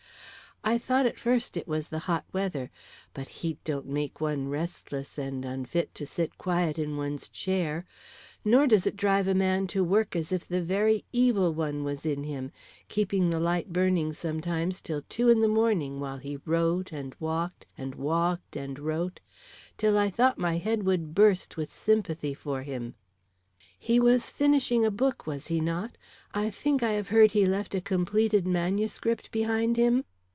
I thought at first it was the hot weather, but heat don't make one restless and unfit to sit quiet in one's chair. Nor does it drive a man to work as if the very evil one was in him, keeping the light burning sometimes till two in the morning, while he wrote and walked, and walked and wrote, till I thought my head would burst with sympathy for him." "He was finishing a book, was he not? I think I have heard he left a completed manuscript behind him?"